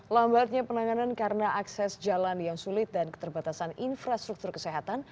lambatnya penanganan karena akses jalan yang sulit dan keterbatasan infrastruktur kesehatan